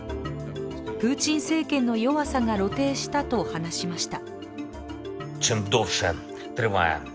プーチン政権の弱さが露呈したと話しました。